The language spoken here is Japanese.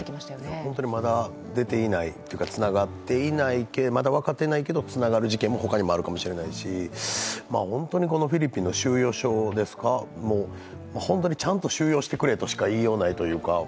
本当にまだ出ていないというかつながっていない、まだ分かっていないけれども、つながる事件もあるかもしれないしフィリピンの収容所も、本当にちゃんと収容してくれとしか言いようがないというか。